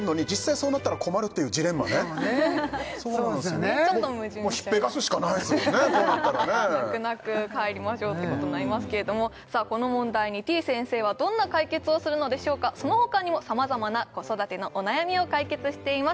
こうなったらね泣く泣く帰りましょうってことになりますけれどもさあこの問題にてぃ先生はどんな解決をするのでしょうかその他にもさまざまな子育てのお悩みを解決しています